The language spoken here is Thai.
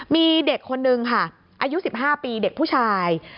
มีเด็กคนนึงค่ะอายุ๑๕ปีเด็กผู้ชาย